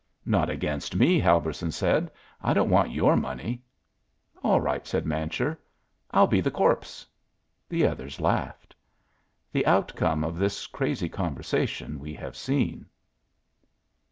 "Not against me," Helberson said. "I don't want your money." "All right," said Mancher; "I'll be the corpse." The others laughed. The outcome of this crazy conversation we have seen.